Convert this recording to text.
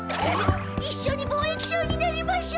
いっしょに貿易商になりましょう！